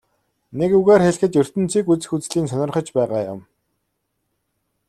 Нэг үгээр хэлэхэд ертөнцийг үзэх үзлий нь сонирхож байгаа юм.